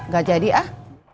gak jadi ah